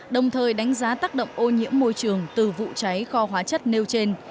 đồng thời đánh giá tác động ô nhiễm môi trường từ vụ cháy kho hóa chất nêu trên